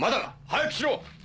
早くしろ！